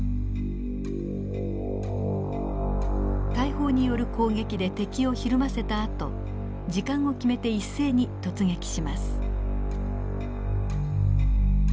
大砲による攻撃で敵をひるませたあと時間を決めて一斉に突撃します。